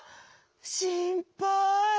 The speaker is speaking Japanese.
しんぱい。